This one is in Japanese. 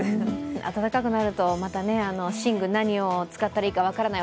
暖かくなるとまた寝具何を使ったらいいか分からない